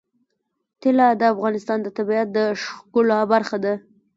طلا د افغانستان د طبیعت د ښکلا برخه ده.